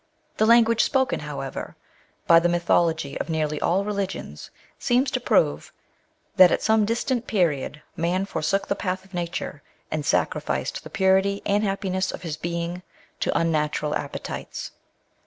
The language spoken, however,, by the mythology of nearly all religions seems to prove, that at some distant period man forsook the path of nature, and sacrificed the purity and happiness of his being to mmatural appetites.